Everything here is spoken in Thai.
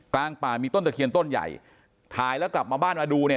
กลางป่ามีต้นตะเคียนต้นใหญ่ถ่ายแล้วกลับมาบ้านมาดูเนี่ย